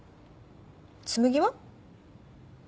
紬は？